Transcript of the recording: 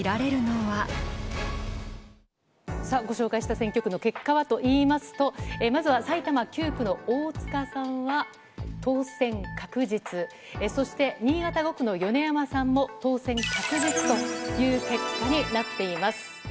さあ、ご紹介した選挙区の結果はといいますと、まずは埼玉９区の大塚さんは、当選確実、そして新潟５区の米山さんも当選確実という結果になっています。